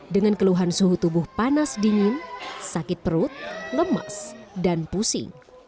dengan keluhan suhu tubuh panas dingin sakit perut lemas dan pusing